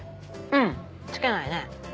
うんつけないね。